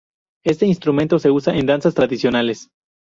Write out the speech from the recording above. Este instrumento se usa en danzas tradicionales.